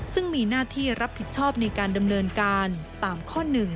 ซึ่งมีหน้าที่รับผิดชอบในการดำเนินการตามข้อ๑